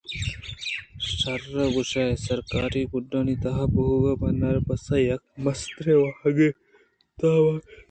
شرگوٛشئے سرکاری گُدانی تہا بوئگ بناربسءِ یک مستریں واہگے ءِ تہا ہوار اِنت